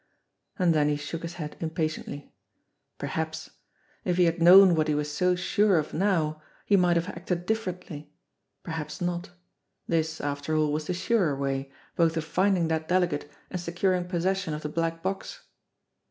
And then he shook his head impatiently. Perhaps ! If he had known what he was so sure of now, he might have acted differently perhaps not. This, after all, was the surer way, both of finding that delegate, and securing possession of the black box.